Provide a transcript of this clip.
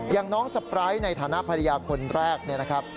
อย่างน้องสปายในฐานะภรรยาคนแรกเนี่ยนะครับ